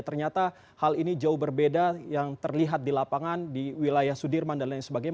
ternyata hal ini jauh berbeda yang terlihat di lapangan di wilayah sudirman dan lain sebagainya